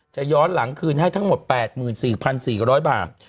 ย้อนหลังคืนให้ทั้งหมด๘๔๔๐๐บาท